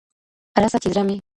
راسه چي زړه مي